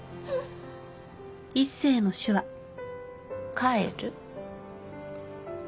「帰る」？